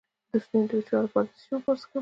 د ستوني د وچوالي لپاره د څه شي اوبه وڅښم؟